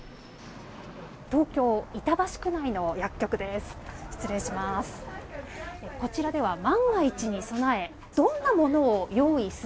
東京・板橋区内の薬局です。